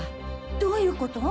どういうこと？